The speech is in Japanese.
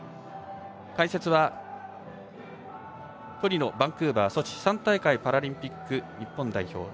解説はトリノ、バンクーバー、ソチ３大会パラリンピック日本代表。